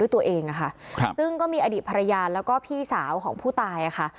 ตัวเองอะค่ะครับซึ่งก็มีอดีตภรรยาแล้วก็พี่สาวของผู้ตายค่ะ